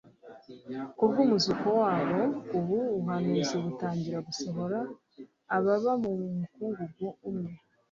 Ku bw'umuzuko wabo ubu buhanuzi butangira gusohora: «Ababa mu mukungugu mwe,